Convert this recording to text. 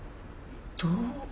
どう。